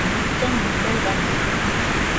Il obtint une médaille d’argent.